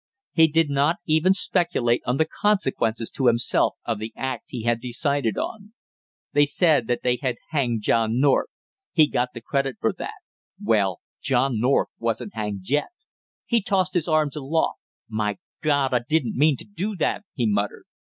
He did not even speculate on the consequences to himself of the act he had decided on. They said that he had hanged John North he got the credit for that well, John North wasn't hanged yet! He tossed his arms aloft. "My God, I didn't mean to do that!" he muttered.